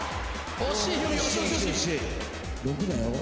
惜しい。